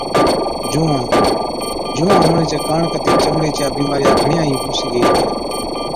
جُوئان Lice، جُوئان هُوَڻي چي ڪاڻ ڪتِي چمڙي چِيا بِيمارِيا گھڻِيا ئِي هُو سِگھي هِتِيا۔